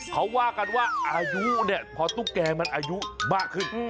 เขาว่ากันว่าอายุเนี่ยพอตุ๊กแกมันอายุมากขึ้น